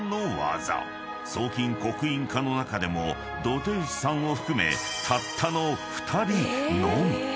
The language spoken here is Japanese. ［装金極印課の中でも土堤内さんを含めたったの２人のみ］